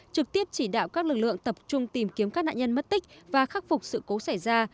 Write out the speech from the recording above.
trực tiếp chỉ đạo các lực lượng tập trung tìm kiếm các nạn nhân mất tích và khắc phục sự cố xảy ra